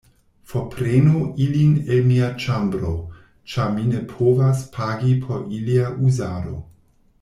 Forprenu ilin el mia ĉambro, ĉar mi ne povas pagi por ilia uzado.